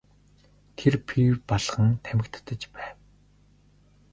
Тэр пиво балган тамхи татаж байв.